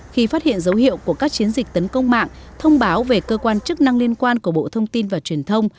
khi phát hiện dấu hiệu của các chiến dịch tấn công mạng thông báo về cơ quan chức năng liên quan của bộ thông tin và truyền thông